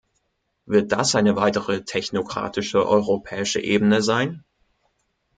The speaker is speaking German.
Wird das eine weitere technokratische europäische Ebene sein?